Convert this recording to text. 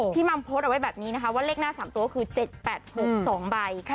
พี่มั่มโพสไว้ว่าเลขหน้า๓ตัวคือ๗๘๖ใบ